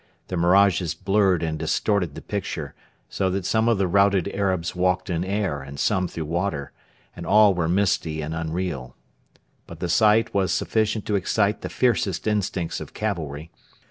The mirages blurred and distorted the picture, so that some of the routed Arabs walked in air and some through water, and all were misty and unreal. But the sight was sufficient to excite the fiercest instincts of cavalry.